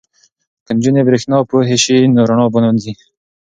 که نجونې بریښنا پوهې شي نو رڼا به نه ځي.